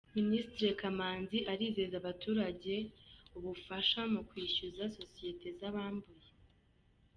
Minisitiri Kamanzi arizeza abaturage ubufasha mu kwishyuza Sosiyete Zabambuye